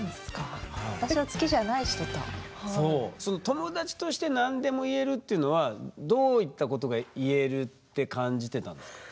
友達として何でも言えるっていうのはどういったことが言えるって感じてたんですか？